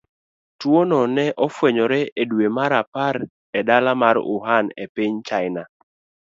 Tuwono ne ofwenyore e dwe mar Desemba e dala mar Wuhan, e piny China.